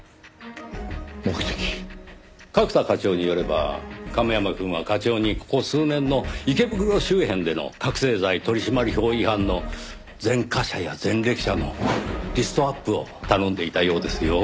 角田課長によれば亀山くんは課長にここ数年の池袋周辺での覚醒剤取締法違反の前科者や前歴者のリストアップを頼んでいたようですよ。